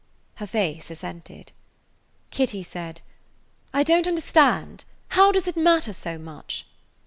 Her face assented. Kitty said: "I don't understand. How does it matter so much?"